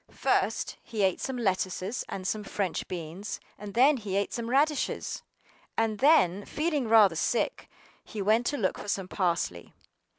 FIRST he ate some lettuces and some French beans; and then he ate some radishes; AND then, feeling rather sick, he went to look for some parsley.